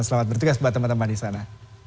selamat bertugas buat teman teman di sana